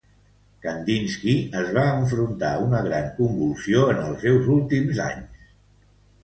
Kandinski es va enfrontar a una gran convulsió en els seus últims anys.